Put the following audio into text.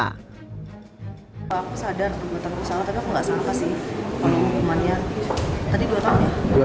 lina sendiri mengaku tak menyangka